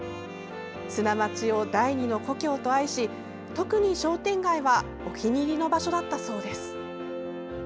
砂町を第二の故郷と愛し特に商店街は、お気に入りの場所だったといいます。